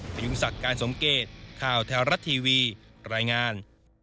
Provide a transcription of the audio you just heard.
พยุงศักดิ์การสมเกตข่าวแท้รัฐทีวีรายงาน